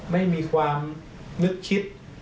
ไม่มีความนึกคิด